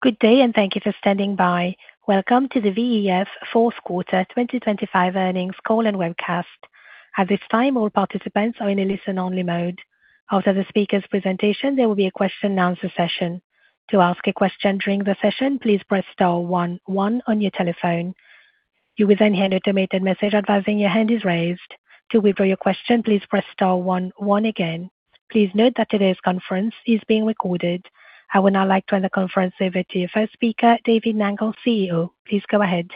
Good day, and thank you for standing by. Welcome to the VEF Fourth Quarter 2025 Earnings Call and Webcast. At this time, all participants are in a listen-only mode. After the speaker's presentation, there will be a question-and-answer session. To ask a question during the session, please press star one one on your telephone. You will then hear an automated message advising your hand is raised. To withdraw your question, please press star one one again. Please note that today's conference is being recorded. I will now like to hand the conference over to your first speaker, David Nangle, CEO. Please go ahead.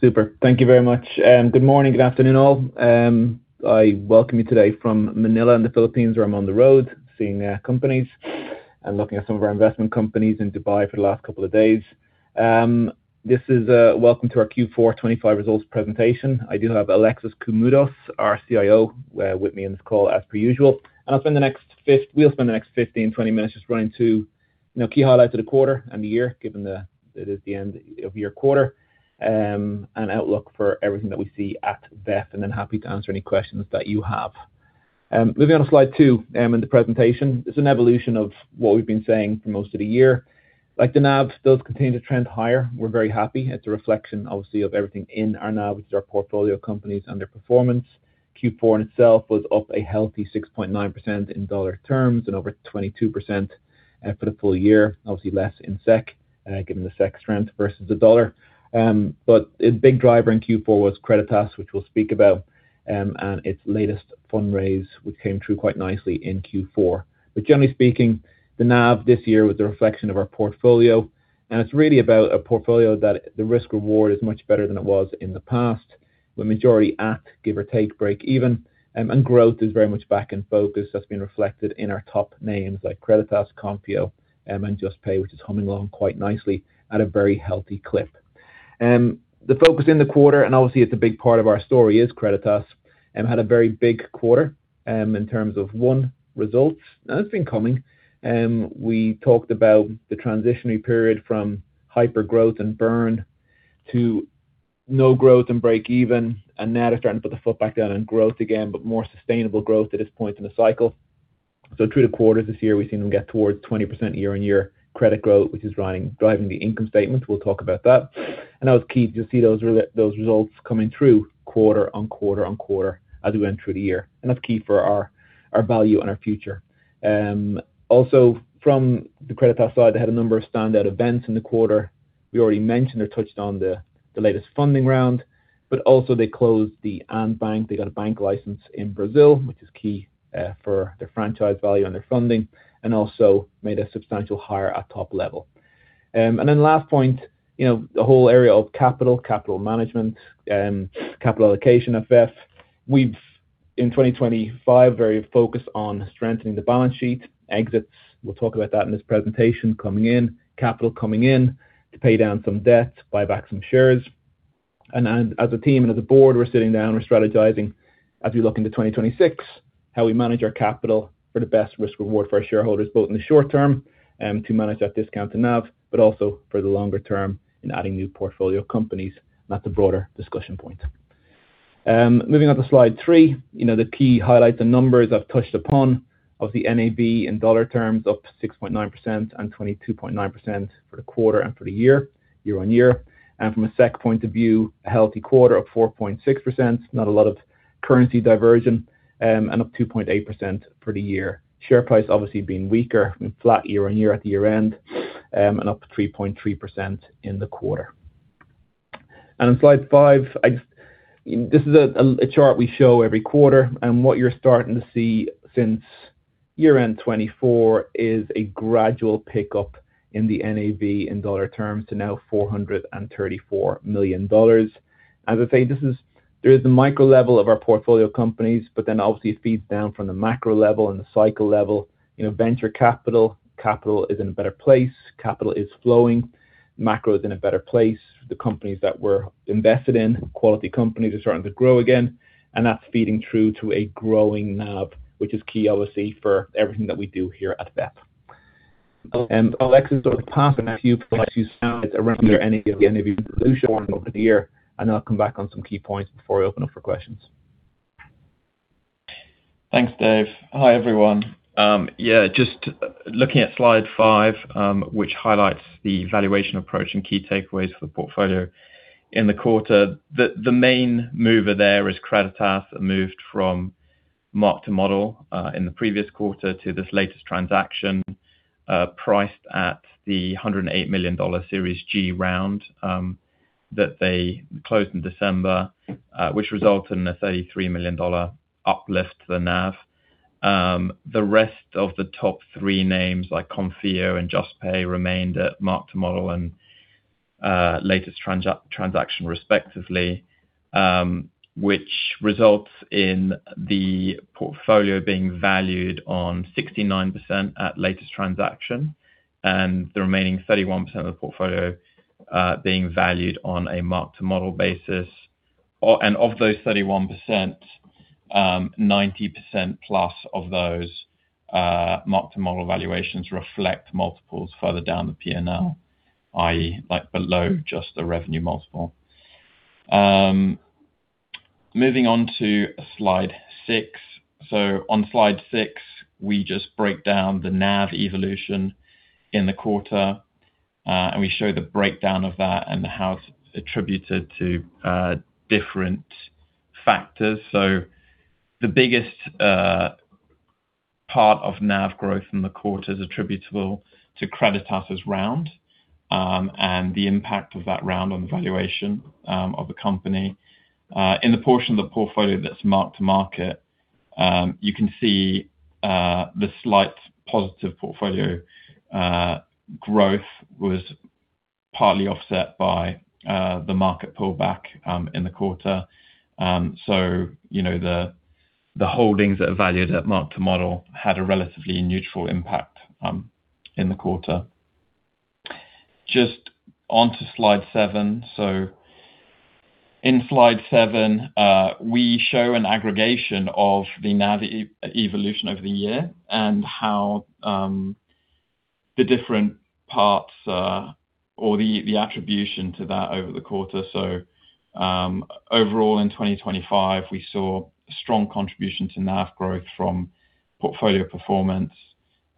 Super. Thank you very much. Good morning, good afternoon all. I welcome you today from Manila in the Philippines where I'm on the road seeing companies and looking at some of our investment companies in Dubai for the last couple of days. This is a welcome to our Q4 2025 results presentation. I do have Alexis Koumoudos, our CIO, with me in this call as per usual. We'll spend the next 15, 20 minutes just running through, you know, key highlights of the quarter and the year given that it is the end of year quarter, and outlook for everything that we see at VEF. Then happy to answer any questions that you have. Moving on to slide two in the presentation, this is an evolution of what we've been saying for most of the year. Like the NAV does continue to trend higher. We're very happy. It's a reflection, obviously, of everything in our NAV, which is our portfolio companies, and their performance. Q4 in itself was up a healthy 6.9% in dollar terms and over 22%, for the full year. Obviously less in SEK, given the SEK strength versus the dollar. But the big driver in Q4 was Creditas, which we'll speak about, and its latest fundraise, which came true quite nicely in Q4. But generally speaking, the NAV this year was a reflection of our portfolio. And it's really about a portfolio that the risk-reward is much better than it was in the past, with majority at, give or take, break even, and growth is very much back in focus. That's been reflected in our top names like Creditas, Konfío, and Juspay, which is humming along quite nicely at a very healthy clip. The focus in the quarter, and obviously it's a big part of our story, is Creditas. Had a very big quarter, in terms of, one, results. And it's been coming. We talked about the transitionary period from hyper growth and burn to no growth and break even, and now they're starting to put the foot back down in growth again, but more sustainable growth at this point in the cycle. So through the quarters this year, we've seen them get towards 20% year-on-year credit growth, which is driving the income statement. We'll talk about that. And that was key to see those results coming through quarter on quarter on quarter as we went through the year. And that's key for our value and our future. Also from the Creditas side, they had a number of standout events in the quarter. We already mentioned or touched on the latest funding round, but also they closed the Andbank. They got a bank license in Brazil, which is key for their franchise value and their funding, and also made a substantial hire at top level, and then last point, you know, the whole area of capital, capital management, capital allocation at VEF. We've in 2025 very focused on strengthening the balance sheet, exits. We'll talk about that in this presentation coming in, capital coming in to pay down some debt, buy back some shares. And as a team and as a board, we're sitting down, we're strategizing as we look into 2026, how we manage our capital for the best risk-reward for our shareholders, both in the short term, to manage that discount to NAV, but also for the longer term in adding new portfolio companies, and that's a broader discussion point. Moving on to slide three, you know, the key highlights and numbers I've touched upon of the NAV in dollar terms of 6.9% and 22.9% for the quarter and for the year, year-on-year. And from a SEC point of view, a healthy quarter of 4.6%, not a lot of currency diversion, and up 2.8% for the year. Share price obviously being weaker and flat year-on-year at the year end, and up 3.3% in the quarter. And on slide five, I just, this is a chart we show every quarter. And what you're starting to see since year-end 2024 is a gradual pickup in the NAV in dollar terms to now $434 million. As I say, this is. There is the micro level of our portfolio companies, but then obviously it feeds down from the macro level and the cycle level. You know, venture capital, capital is in a better place, capital is flowing, macro is in a better place. The companies that we're invested in, quality companies, are starting to grow again. And that's feeding through to a growing NAV, which is key, obviously, for everything that we do here at VEF. Alexis, over the past few minutes, you sounded around there any of the NAV resolution over the year. And I'll come back on some key points before I open up for questions. Thanks, Dave. Hi, everyone. Yeah, just looking at slide five, which highlights the valuation approach and key takeaways for the portfolio in the quarter, the main mover there is Creditas that moved from mark to model in the previous quarter to this latest transaction priced at the $108 million Series G round that they closed in December, which resulted in a $33 million uplift to the NAV. The rest of the top three names like Konfío and Juspay remained at mark to model and latest transaction respectively, which results in the portfolio being valued on 69% at latest transaction and the remaining 31% of the portfolio being valued on a mark to model basis. Of those 31%, 90% plus of those mark to model valuations reflect multiples further down the P&L, i.e., like below just the revenue multiple. Moving on to slide six. So on slide six, we just break down the NAV evolution in the quarter, and we show the breakdown of that and how it's attributed to different factors. So the biggest part of NAV growth in the quarter is attributable to Creditas's round, and the impact of that round on the valuation of the company. In the portion of the portfolio that's mark to market, you can see the slight positive portfolio growth was partly offset by the market pullback in the quarter. So you know, the holdings that are valued at mark to model had a relatively neutral impact in the quarter. Just onto slide seven. So in slide seven, we show an aggregation of the NAV evolution over the year and how the different parts or the attribution to that over the quarter. So, overall in 2025, we saw strong contribution to NAV growth from portfolio performance,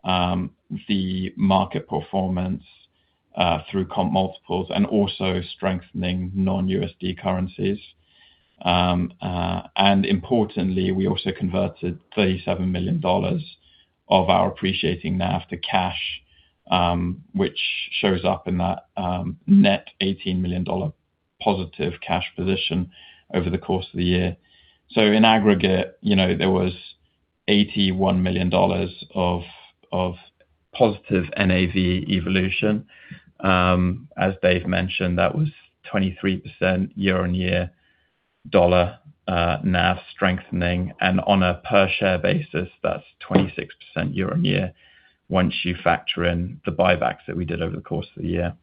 the market performance, through comp multiples and also strengthening non-USD currencies, and importantly, we also converted $37 million of our appreciating NAV to cash, which shows up in that, net $18 million positive cash position over the course of the year. In aggregate, you know, there was $81 million of positive NAV evolution. As Dave mentioned, that was 23% year-on-year dollar NAV strengthening. On a per-share basis, that's 26% year-on-year once you factor in the buybacks that we did over the course of the year.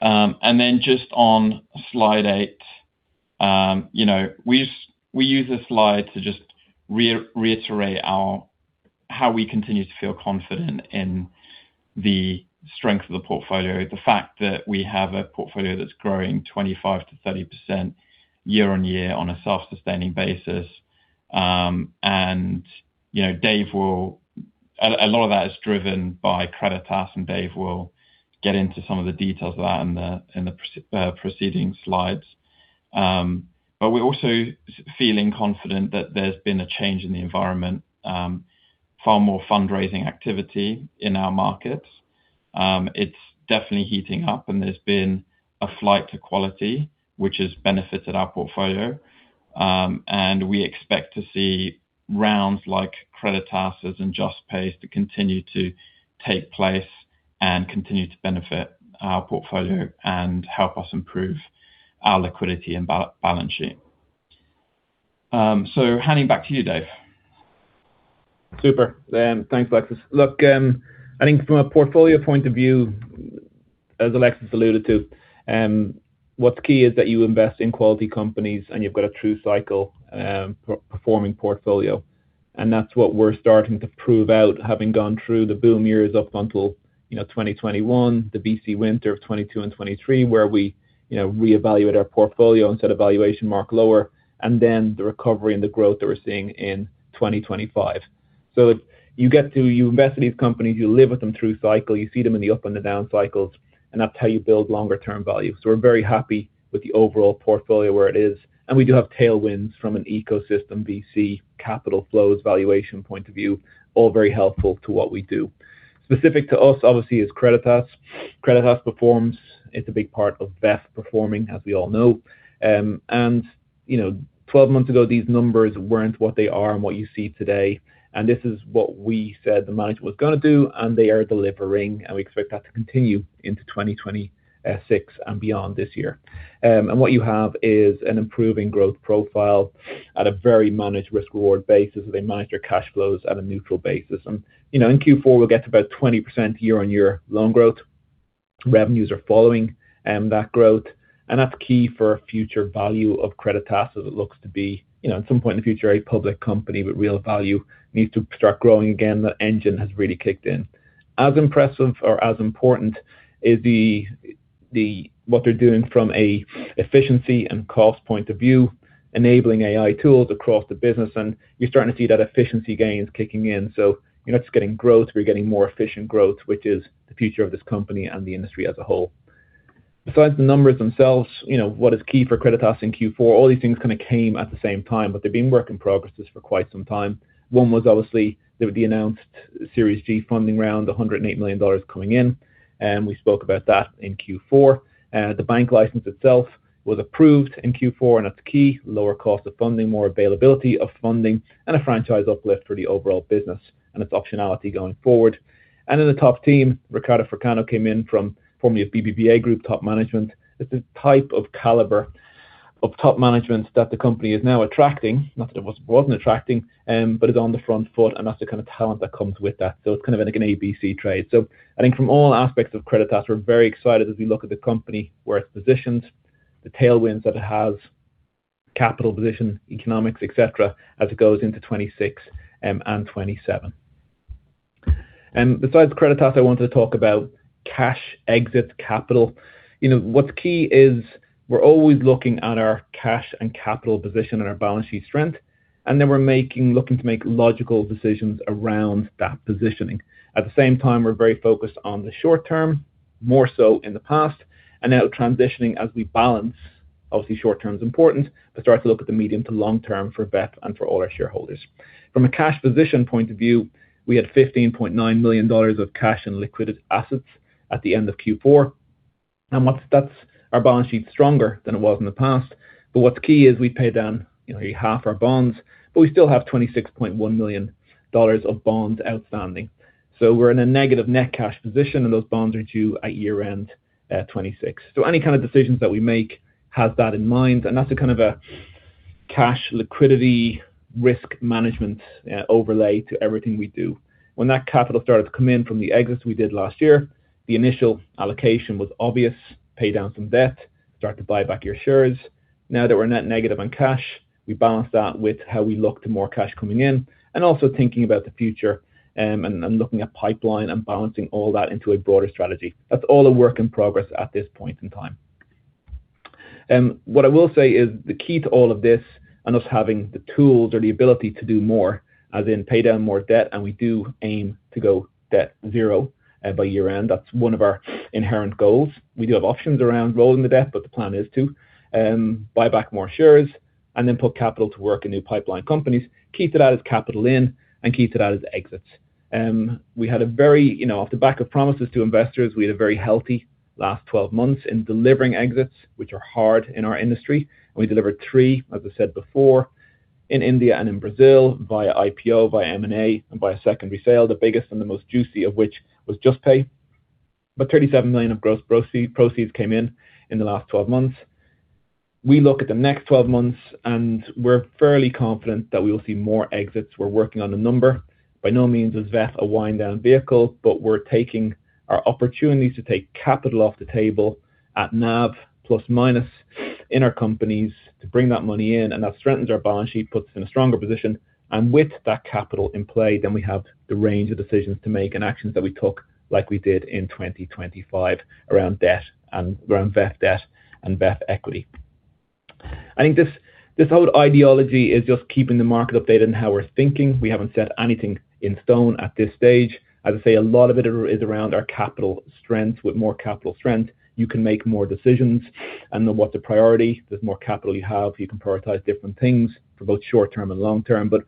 Then just on slide eight, you know, we just use this slide to just reiterate our, how we continue to feel confident in the strength of the portfolio, the fact that we have a portfolio that's growing 25%-30% year-on-year on a self-sustaining basis. And you know, Dave will. A lot of that is driven by Creditas and Dave will get into some of the details of that in the preceding slides. But we're also feeling confident that there's been a change in the environment, far more fundraising activity in our markets. It's definitely heating up and there's been a flight to quality, which has benefited our portfolio. We expect to see rounds like Creditas's and Juspay's to continue to take place and continue to benefit our portfolio and help us improve our liquidity and balance sheet. Handing back to you, Dave. Super. Thanks, Alexis. Look, I think from a portfolio point of view, as Alexis alluded to, what's key is that you invest in quality companies and you've got a true cycle, performing portfolio. And that's what we're starting to prove out, having gone through the boom years up until, you know, 2021, the VC winter of 2022 and 2023, where we, you know, reevaluate our portfolio and set a valuation mark lower, and then the recovery and the growth that we're seeing in 2025. So you get to, you invest in these companies, you live with them through cycle, you see them in the up and the down cycles, and that's how you build longer-term value. So we're very happy with the overall portfolio where it is. And we do have tailwinds from an ecosystem VC capital flows valuation point of view, all very helpful to what we do. Specific to us, obviously, is Creditas. Creditas performs. It's a big part of VEF performing, as we all know, and you know, 12 months ago, these numbers weren't what they are and what you see today, and this is what we said the management was going to do, and they are delivering, and we expect that to continue into 2026 and beyond this year, and what you have is an improving growth profile at a very managed risk-reward basis, and they manage their cash flows at a neutral basis, and you know, in Q4, we'll get to about 20% year-on-year loan growth. Revenues are following that growth, and that's key for future value of Creditas as it looks to be, you know, at some point in the future, a public company, but real value needs to start growing again. The engine has really kicked in. As impressive or as important is what they're doing from an efficiency and cost point of view, enabling AI tools across the business. And you're starting to see that efficiency gains kicking in. So you're not just getting growth. We're getting more efficient growth, which is the future of this company and the industry as a whole. Besides the numbers themselves, you know, what is key for Creditas in Q4, all these things kind of came at the same time, but they've been work in progress for quite some time. One was obviously the announced Series G funding round, $108 million coming in. And we spoke about that in Q4. The bank license itself was approved in Q4, and that's key: lower cost of funding, more availability of funding, and a franchise uplift for the overall business and its optionality going forward. And then the top team, Ricardo Forcano came in from formerly of BBVA Group, top management. It's the type of caliber of top management that the company is now attracting, not that it wasn't attracting, but is on the front foot. And that's the kind of talent that comes with that. So it's kind of an ABC trade. So I think from all aspects of Creditas, we're very excited as we look at the company, where it's positioned, the tailwinds that it has, capital position, economics, etc., as it goes into 2026 and 2027. Besides Creditas, I wanted to talk about cash exit capital. You know, what's key is we're always looking at our cash and capital position and our balance sheet strength, and then we're looking to make logical decisions around that positioning. At the same time, we're very focused on the short term, more so in the past, and now transitioning as we balance. Obviously, short term's important, but start to look at the medium to long term for VEF and for all our shareholders. From a cash position point of view, we had $15.9 million of cash and liquid assets at the end of Q4, and that's our balance sheet stronger than it was in the past. But what's key is we pay down, you know, half our bonds, but we still have $26.1 million of bonds outstanding. So we're in a negative net cash position, and those bonds are due at year-end 2026. So any kind of decisions that we make has that in mind, and that's a kind of a cash liquidity risk management overlay to everything we do. When that capital started to come in from the exits we did last year, the initial allocation was obvious: pay down some debt, start to buy back your shares. Now that we're net negative on cash, we balance that with how we look to more cash coming in and also thinking about the future, and looking at pipeline and balancing all that into a broader strategy. That's all a work in progress at this point in time. What I will say is the key to all of this and us having the tools or the ability to do more, as in pay down more debt, and we do aim to go debt zero by year-end. That's one of our inherent goals. We do have options around rolling the debt, but the plan is to buy back more shares and then put capital to work in new pipeline companies. Key to that is capital in and key to that is exits. We had a very, you know, off the back of promises to investors, we had a very healthy last 12 months in delivering exits, which are hard in our industry. And we delivered three, as I said before, in India and in Brazil via IPO, via M&A, and via secondary sale, the biggest and the most juicy of which was Juspay. But $37 million of gross proceeds came in in the last 12 months. We look at the next 12 months, and we're fairly confident that we will see more exits. We're working on the number. By no means is VEF a wind-down vehicle, but we're taking our opportunities to take capital off the table at NAV plus-minus in our companies to bring that money in. And that strengthens our balance sheet, puts us in a stronger position. And with that capital in play, then we have the range of decisions to make and actions that we took like we did in 2025 around debt and around VEF debt and VEF equity. I think this, this whole ideology is just keeping the market updated in how we're thinking. We haven't set anything in stone at this stage. As I say, a lot of it is around our capital strength. With more capital strength, you can make more decisions. And then what's a priority? There's more capital you have. You can prioritize different things for both short term and long term. But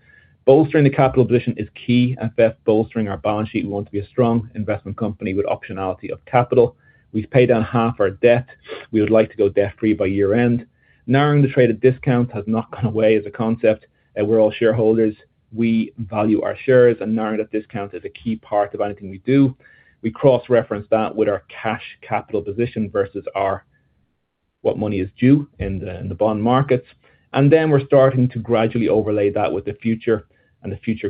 bolstering the capital position is key at VEF, bolstering our balance sheet. We want to be a strong investment company with optionality of capital. We've paid down half our debt. We would like to go debt-free by year-end. Narrowing the trade at discount has not gone away as a concept, and we're all shareholders. We value our shares, and narrowing that discount is a key part of anything we do. We cross-reference that with our cash capital position versus what money is due in the bond markets, and then we're starting to gradually overlay that with the future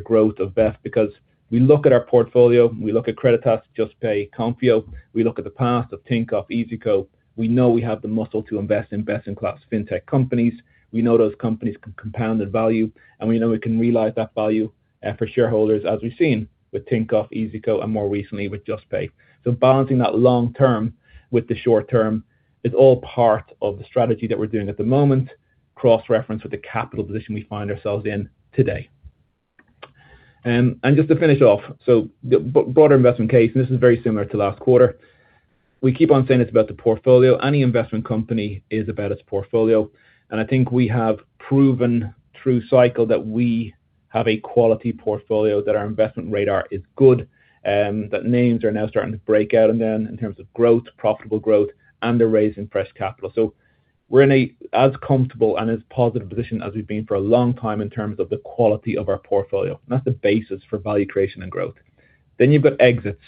growth of VEF because we look at our portfolio. We look at Creditas, Juspay, Konfio. We look at the past of Tinkoff, iyzico. We know we have the muscle to invest in best-in-class fintech companies. We know those companies can compound in value, and we know we can realize that value for shareholders, as we've seen with Tinkoff, iyzico, and more recently with Juspay. So balancing that long term with the short term is all part of the strategy that we're doing at the moment, cross-reference with the capital position we find ourselves in today. And just to finish off, so the broader investment case, and this is very similar to last quarter, we keep on saying it's about the portfolio. Any investment company is about its portfolio. And I think we have proven through cycle that we have a quality portfolio, that our investment radar is good, that names are now starting to break out in them in terms of growth, profitable growth, and they're raising fresh capital. So we're in as comfortable and as positive position as we've been for a long time in terms of the quality of our portfolio. And that's the basis for value creation and growth. Then you've got exits.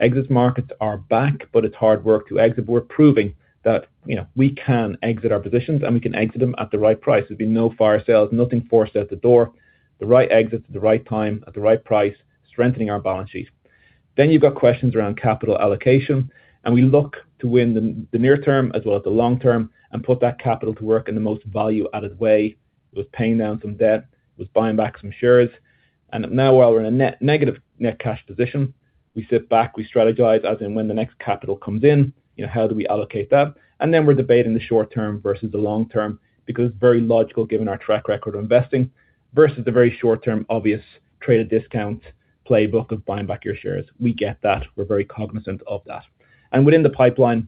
Exit markets are back, but it's hard work to exit. We're proving that, you know, we can exit our positions, and we can exit them at the right price. There'll be no fire sales, nothing forced at the door, the right exit at the right time at the right price, strengthening our balance sheet. Then you've got questions around capital allocation. And we look to win the near term as well as the long term and put that capital to work in the most value-added way. It was paying down some debt. It was buying back some shares. And now, while we're in a net negative net cash position, we sit back, we strategize as in when the next capital comes in, you know, how do we allocate that? And then we're debating the short term versus the long term because it's very logical given our track record of investing versus the very short-term obvious trade at discount playbook of buying back your shares. We get that. We're very cognizant of that. And within the pipeline,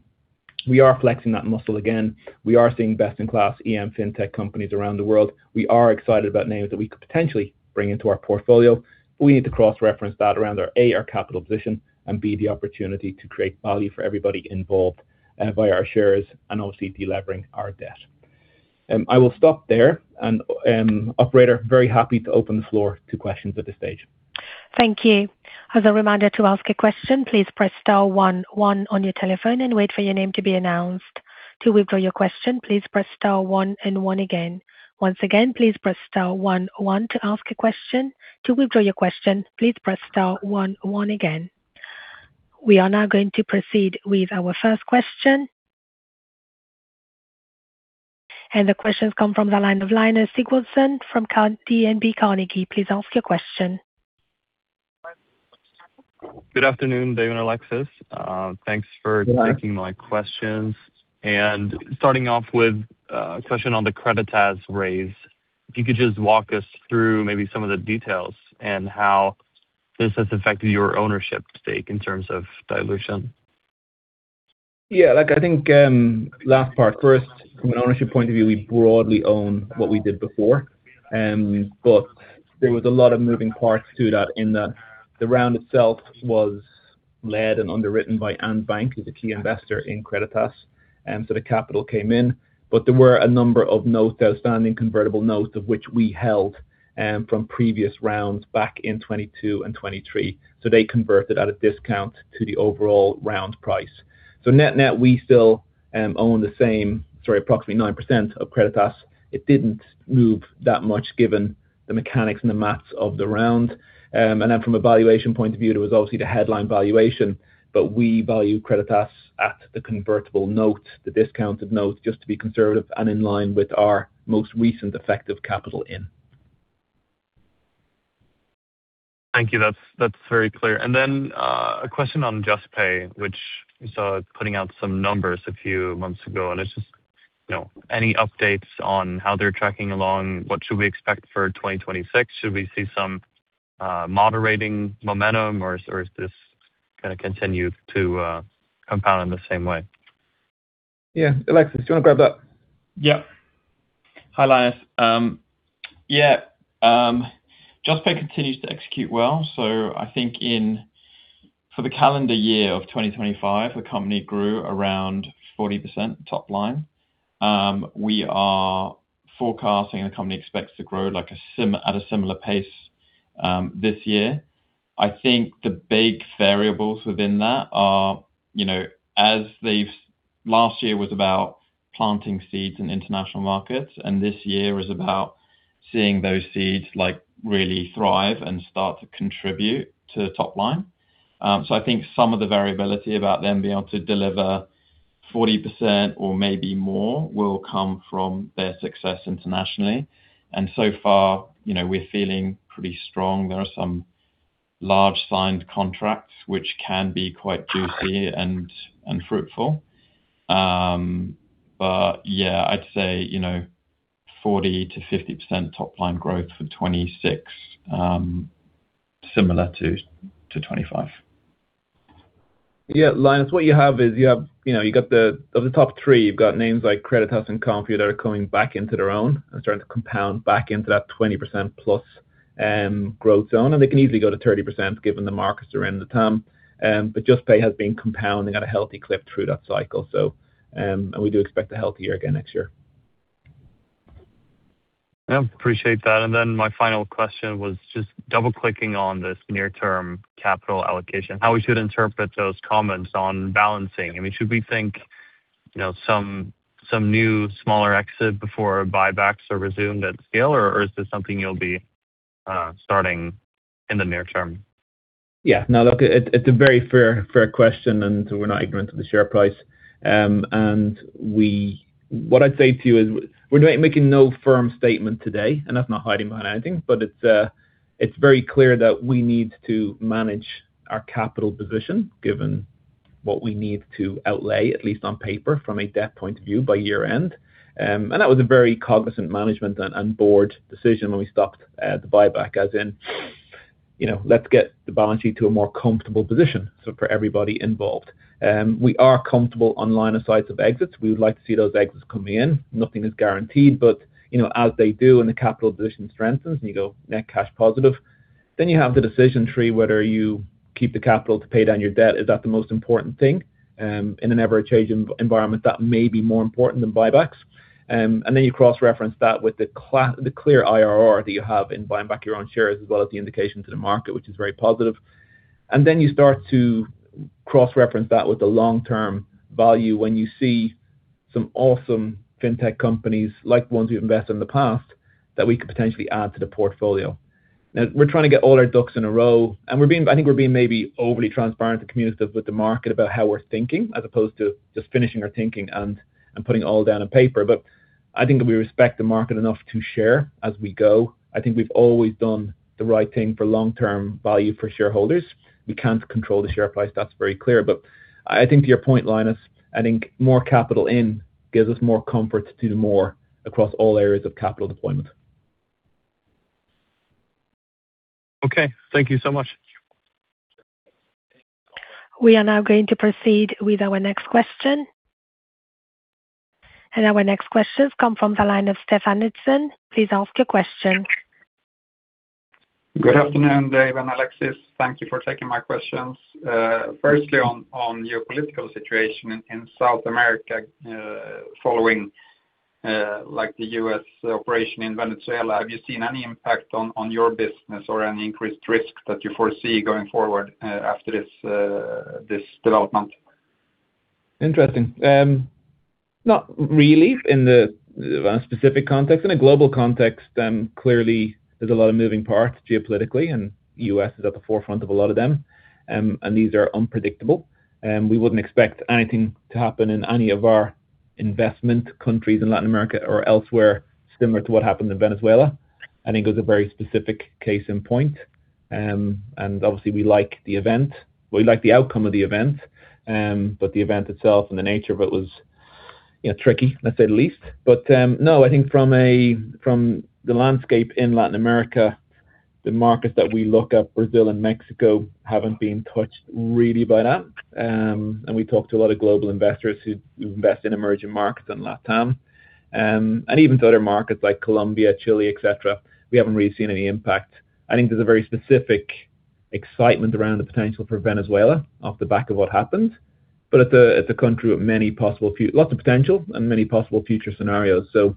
we are flexing that muscle again. We are seeing best-in-class EM fintech companies around the world. We are excited about names that we could potentially bring into our portfolio, but we need to cross-reference that around our A, our capital position, and B, the opportunity to create value for everybody involved via our shares and obviously delivering our debt. I will stop there. And, operator, very happy to open the floor to questions at this stage. Thank you. As a reminder to ask a question, please press star one, one on your telephone and wait for your name to be announced. To withdraw your question, please press star one and one again. Once again, please press star one, one to ask a question. To withdraw your question, please press star one, one again. We are now going to proceed with our first question. And the questions come from the line of Linus Sigurdson from DNB Carnegie. Please ask your question. Good afternoon, Dave and Alexis. Thanks for taking my questions. Starting off with a question on the Creditas raise, if you could just walk us through maybe some of the details and how this has affected your ownership stake in terms of dilution. Yeah, like I think last part first. From an ownership point of view, we broadly own what we did before. But there was a lot of moving parts to that in that the round itself was led and underwritten by Ant Group, who's a key investor in Creditas. So the capital came in, but there were a number of notes, outstanding convertible notes, of which we held from previous rounds back in 2022 and 2023. So they converted at a discount to the overall round price. So net net, we still own the same, sorry, approximately nine% of Creditas. It didn't move that much given the mechanics and the math of the round And then from a valuation point of view, there was obviously the headline valuation, but we value Creditas at the convertible note, the discounted note, just to be conservative and in line with our most recent effective capital in. Thank you. That's, that's very clear. And then, a question on Juspay, which you saw putting out some numbers a few months ago. And it's just, you know, any updates on how they're tracking along? What should we expect for 2026? Should we see some, moderating momentum, or is this going to continue to, compound in the same way? Yeah, Alexis, do you want to grab that? Yeah. Hi, Linus. Yeah, Juspay continues to execute well. So I think in for the calendar year of 2025, the company grew around 40% top line. We are forecasting the company expects to grow like similar at a similar pace, this year. I think the big variables within that are, you know, as they've last year was about planting seeds in international markets, and this year is about seeing those seeds like really thrive and start to contribute to top line. I think some of the variability about them being able to deliver 40% or maybe more will come from their success internationally. And so far, you know, we're feeling pretty strong. There are some large signed contracts, which can be quite juicy and, and fruitful. But yeah, I'd say, you know, 40%-50% top line growth for 2026, similar to 2025. Yeah, Linus, what you have is you have, you know, you got the, of the top three, you've got names like Creditas and Konfío that are coming back into their own and starting to compound back into that 20% plus, growth zone. They can easily go to 30% given the markets around the time. Juspay has been compounding at a healthy clip through that cycle. We do expect a healthy year again next year. Yeah, appreciate that. And then my final question was just double-clicking on this near-term capital allocation, how we should interpret those comments on balancing. I mean, should we think, you know, some new smaller exit before buybacks are resumed at scale, or is this something you'll be starting in the near term? Yeah, no, look, it's a very fair, fair question, and so we're not ignorant of the share price, and what I'd say to you is we're making no firm statement today, and that's not hiding behind anything, but it's, it's very clear that we need to manage our capital position given what we need to outlay, at least on paper, from a debt point of view by year-end, and that was a very cognizant management and board decision when we stopped the buyback, as in, you know, let's get the balance sheet to a more comfortable position, so for everybody involved, we are comfortable online on sites of exits. We would like to see those exits coming in. Nothing is guaranteed, but you know, as they do and the capital position strengthens and you go net cash positive, then you have the decision tree whether you keep the capital to pay down your debt. Is that the most important thing? In an ever-changing environment, that may be more important than buybacks, and then you cross-reference that with the clear IRR that you have in buying back your own shares as well as the indication to the market, which is very positive, and then you start to cross-reference that with the long-term value when you see some awesome fintech companies like ones we've invested in the past that we could potentially add to the portfolio. Now, we're trying to get all our ducks in a row, and we're being, I think we're being maybe overly transparent and communicative with the market about how we're thinking as opposed to just finishing our thinking and, and putting it all down on paper. But I think that we respect the market enough to share as we go. I think we've always done the right thing for long-term value for shareholders. We can't control the share price. That's very clear. But I think to your point, Linus, I think more capital in gives us more comfort to do more across all areas of capital deployment. Okay, thank you so much. We are now going to proceed with our next question. And our next questions come from the line of Stephen Nixon. Please ask your question. Good afternoon, Dave and Alexis. Thank you for taking my questions. Firstly, on your political situation in South America, following, like the U.S. operation in Venezuela, have you seen any impact on your business or any increased risk that you foresee going forward, after this development? Interesting. Not relief in the specific context. In a global context, clearly there's a lot of moving parts geopolitically, and the U.S. is at the forefront of a lot of them, and these are unpredictable. We wouldn't expect anything to happen in any of our investment countries in Latin America or elsewhere similar to what happened in Venezuela. I think it was a very specific case in point, and obviously we like the event. We like the outcome of the event, but the event itself and the nature of it was, you know, tricky, to say the least, but no, I think from the landscape in Latin America, the markets that we look at, Brazil and Mexico, haven't been touched really by that, and we talked to a lot of global investors who invest in emerging markets in LatAm. And even to other markets like Colombia, Chile, et cetera, we haven't really seen any impact. I think there's a very specific excitement around the potential for Venezuela off the back of what happened, but it's a country with many possible, lots of potential and many possible future scenarios. So,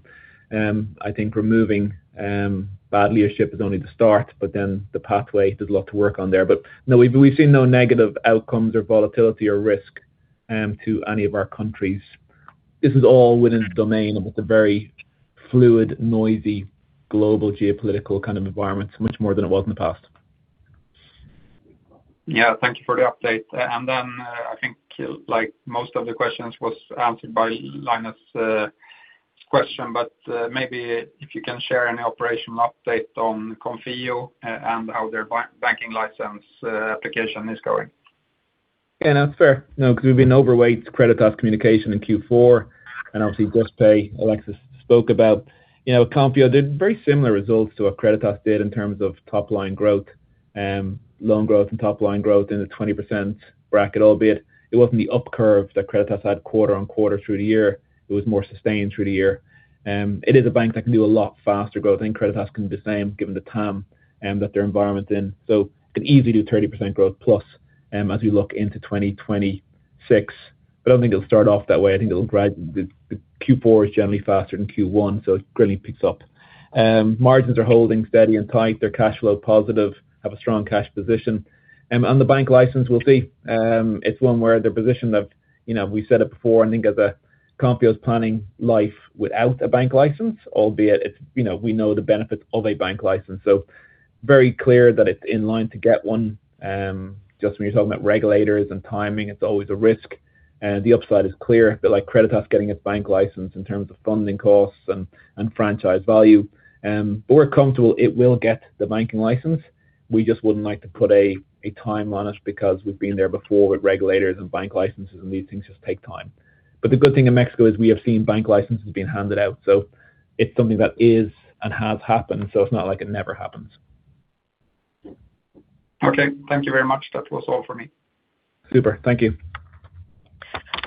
I think removing bad leadership is only the start, but then the pathway, there's a lot to work on there. But no, we've seen no negative outcomes or volatility or risk to any of our countries. This is all within the domain of a very fluid, noisy, global geopolitical kind of environment, much more than it was in the past. Yeah, thank you for the update. And then I think like most of the questions was answered by Linus' question, but maybe if you can share any operational update on Konfío and how their banking license application is going. Yeah, that's fair. No, because we've been overweight Creditas communication in Q4, and obviously Juspay, Alexis spoke about, you know, Konfío did very similar results to what Creditas did in terms of top line growth, loan growth and top line growth in the 20% bracket, albeit it wasn't the up curve that Creditas had quarter on quarter through the year. It was more sustained through the year. It is a bank that can do a lot faster growth. I think Creditas can do the same given the time, that their environment's in, so it can easily do 30% growth plus, as we look into 2026, but I don't think it'll start off that way. I think it'll grind. The Q4 is generally faster than Q1, so it really picks up. Margins are holding steady and tight. They're cash flow positive, have a strong cash position. And the bank license, we'll see. It's one where their position of, you know, we've said it before. I think as a Konfío's planning life without a bank license, albeit it's, you know, we know the benefits of a bank license. So very clear that it's in line to get one. Just when you're talking about regulators and timing, it's always a risk. The upside is clear, but like Creditas getting its bank license in terms of funding costs and franchise value. But we're comfortable it will get the banking license. We just wouldn't like to put a time on it because we've been there before with regulators and bank licenses and these things just take time. But the good thing in Mexico is we have seen bank licenses being handed out. So it's something that is and has happened. So it's not like it never happens. Okay, thank you very much. That was all for me. Super, thank you.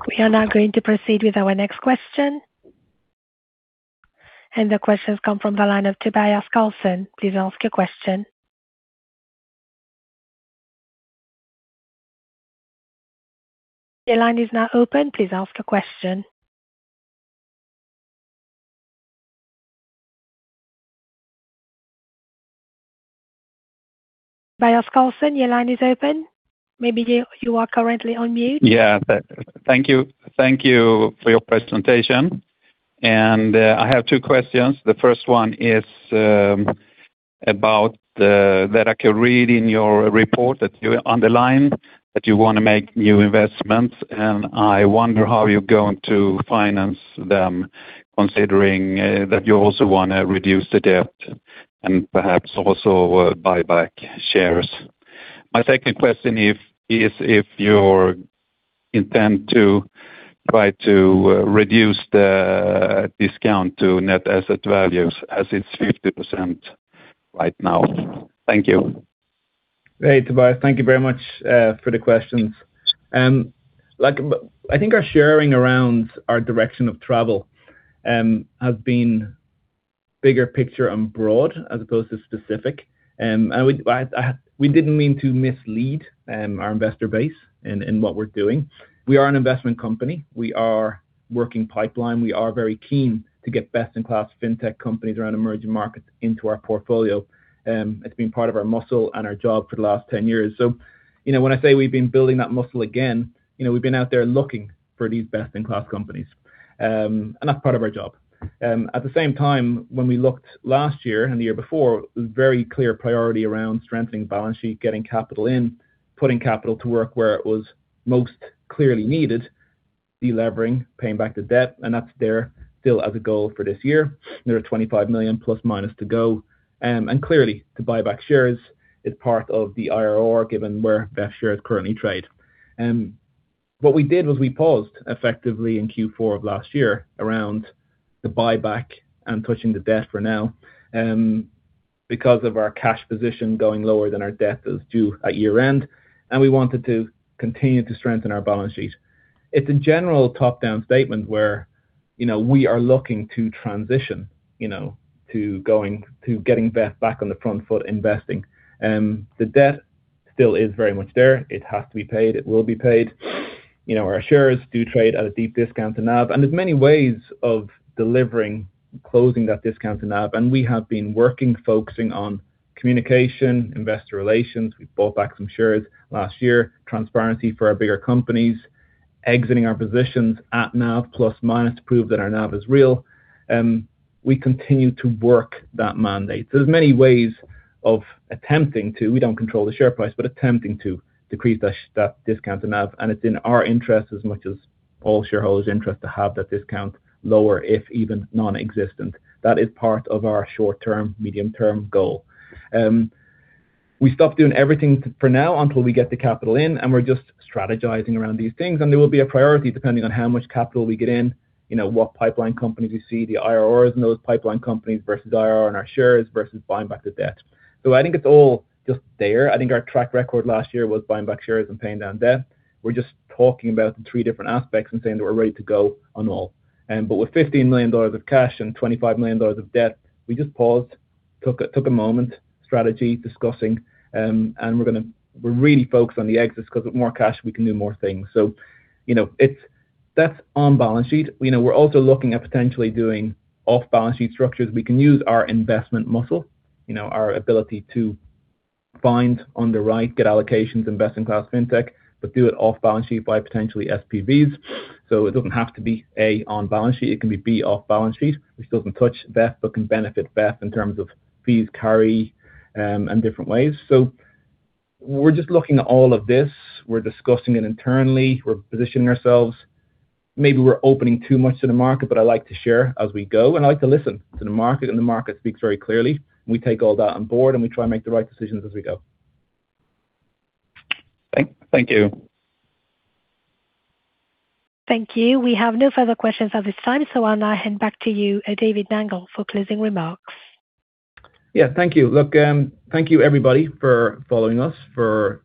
We are now going to proceed with our next question, and the questions come from the line of Tobias Kjølsen. Please ask your question. The line is now open. Please ask a question. Tobias Kjølsen, your line is open. Maybe you are currently on mute. Yeah, thank you. Thank you for your presentation. I have two questions. The first one is about that I can read in your report that you underlined that you want to make new investments, and I wonder how you're going to finance them considering that you also want to reduce the debt and perhaps also buyback shares. My second question is if your intent to try to reduce the discount to net asset values as it's 50% right now? Thank you. Hey Tobias, thank you very much for the questions. Like I think our sharing around our direction of travel has been bigger picture and broad as opposed to specific. And we didn't mean to mislead our investor base in what we're doing. We are an investment company. We are working pipeline. We are very keen to get best in class fintech companies around emerging markets into our portfolio. It's been part of our muscle and our job for the last 10 years. So you know, when I say we've been building that muscle again, you know, we've been out there looking for these best in class companies. And that's part of our job. At the same time, when we looked last year and the year before, it was very clear priority around strengthening balance sheet, getting capital in, putting capital to work where it was most clearly needed, delevering, paying back the debt, and that's there still as a goal for this year. There are 25 million plus minus to go, and clearly to buy back shares is part of the IRR given where VEF shares currently trade. What we did was we paused effectively in Q4 of last year around the buyback and touching the debt for now, because of our cash position going lower than our debt is due at year-end. And we wanted to continue to strengthen our balance sheet. It's a general top down statement where, you know, we are looking to transition, you know, to going to getting VEF back on the front foot investing. The debt still is very much there. It has to be paid. It will be paid. You know, our shares do trade at a deep discount to NAV. And there's many ways of delivering, closing that discount to NAV. And we have been working, focusing on communication, investor relations. We bought back some shares last year. Transparency for our bigger companies, exiting our positions at NAV plus minus to prove that our NAV is real. We continue to work that mandate. So there's many ways of attempting to, we don't control the share price, but attempting to decrease that discount to NAV. And it's in our interest as much as all shareholders' interest to have that discount lower, if even non-existent. That is part of our short term, medium term goal. We stopped doing everything for now until we get the capital in, and we're just strategizing around these things, and there will be a priority depending on how much capital we get in, you know, what pipeline companies we see, the IRRs in those pipeline companies versus IRR in our shares versus buying back the debt. So I think it's all just there. I think our track record last year was buying back shares and paying down debt. We're just talking about the three different aspects and saying that we're ready to go on all, but with $15 million of cash and $25 million of debt, we just paused, took a moment strategy discussing, and we're going to. We're really focused on the exits because with more cash we can do more things. So, you know, it's, that's on balance sheet. You know, we're also looking at potentially doing off balance sheet structures. We can use our investment muscle, you know, our ability to find on the right, get allocations, invest in class fintech, but do it off balance sheet by potentially SPVs. So it doesn't have to be A on balance sheet. It can be B off balance sheet, which doesn't touch VEF, but can benefit VEF in terms of fees, carry, and different ways. So we're just looking at all of this. We're discussing it internally. We're positioning ourselves. Maybe we're opening too much to the market, but I like to share as we go, and I like to listen to the market, and the market speaks very clearly. We take all that on board, and we try to make the right decisions as we go. Thank you. Thank you. We have no further questions at this time. So I'll now hand back to you, David Nangle, for closing remarks. Yeah, thank you. Look, thank you everybody for following us, for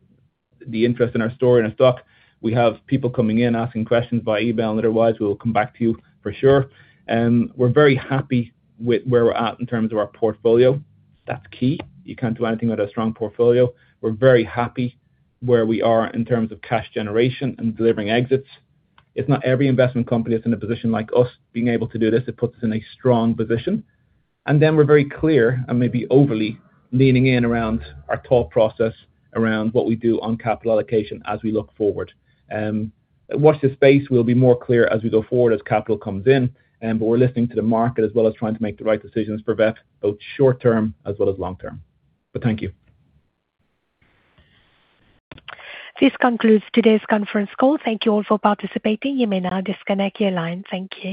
the interest in our story and our stock. We have people coming in, asking questions by email. Otherwise, we'll come back to you for sure. We're very happy with where we're at in terms of our portfolio. That's key. You can't do anything without a strong portfolio. We're very happy where we are in terms of cash generation and delivering exits. It's not every investment company that's in a position like us being able to do this. It puts us in a strong position. And then we're very clear and maybe overly leaning in around our thought process around what we do on capital allocation as we look forward. Watch the space. We'll be more clear as we go forward as capital comes in. But we're listening to the market as well as trying to make the right decisions for VEF, both short term as well as long term. But thank you. This concludes today's conference call. Thank you all for participating. You may now disconnect your line. Thank you.